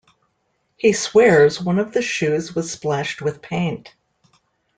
He swears one of the shoes was splashed with paint.